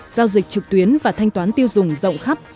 giao dịch trực tuyến và thanh toán tiêu dùng rộng khắp